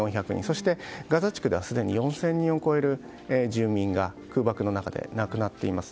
そして、ガザ地区ではすでに４０００人を超える住民が空爆の中で亡くなっています。